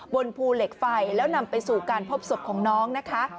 บนภูเหล็กไฟแล้วนำไปสู่การพบศพของน้องนะคะ